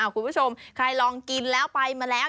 คุณผู้ชมใครลองกินแล้วไปมาแล้ว